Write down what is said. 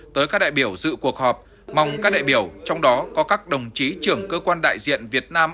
tới các đại biểu dự cuộc họp mong các đại biểu trong đó có các đồng chí trưởng cơ quan đại diện việt nam